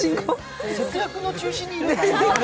節約の中心にいるんだね。